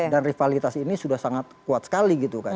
dan rivalitas ini sudah sangat kuat sekali gitu kan